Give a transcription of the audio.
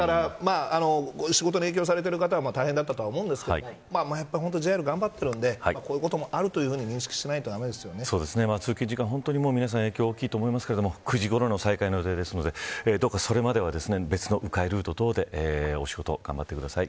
だから仕事に影響されている方は大変だと思いますが本当にＪＲ頑張っているんでこういうこともあると通勤時間、皆さん影響は大きいと思いますが９時ごろの再開ですのでどうかそれまでは別の迂回ルートでお仕事、頑張ってください。